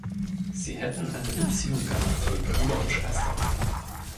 Sie hätten eine Beziehung gehabt wie Bruder und Schwester.